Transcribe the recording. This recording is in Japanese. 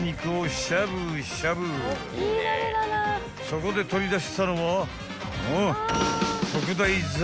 ［そこで取り出したのはんっ？］